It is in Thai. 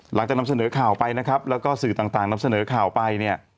นำเสนอข่าวไปนะครับแล้วก็สื่อต่างนำเสนอข่าวไปเนี่ย